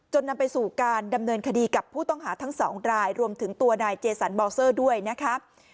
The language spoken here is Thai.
นำไปสู่การดำเนินคดีกับผู้ต้องหาทั้งสองรายรวมถึงตัวนายเจสันบอเซอร์ด้วยนะคะ